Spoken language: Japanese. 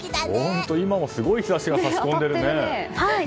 本当に今もすごい日差しが差し込んでいるね。